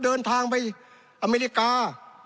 เดินทางไปอเมริกา